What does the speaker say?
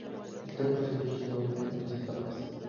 El templo se erigió en dos etapas.